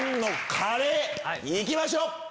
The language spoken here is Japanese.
行きましょう！